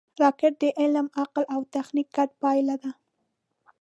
راکټ د علم، عقل او تخنیک ګډه پایله ده